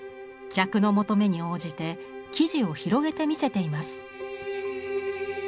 客の求めに応じて生地を広げて見せています。